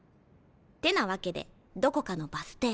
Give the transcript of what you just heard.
ってなわけでどこかのバス停。